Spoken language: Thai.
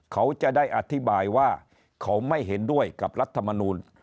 เขาจะได้อธิบายว่าเขาไม่เห็นด้วยกับรัฐมนูล